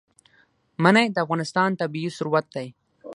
منی د افغانستان طبعي ثروت دی.